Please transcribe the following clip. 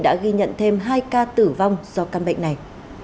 đã ghi nhận thêm hai ca tử vong do căn bệnh này